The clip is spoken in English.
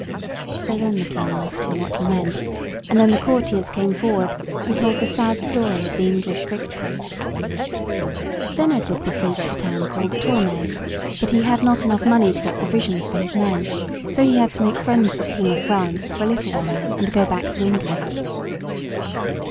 So then the king asked him what he meant, and then the courtiers came forward and told the sad story of the English victory. Then Edward besieged a town called Tournay, but he had not enough money to get provisions for his men, so he had to make friends with the king of France for a little while and go back to England.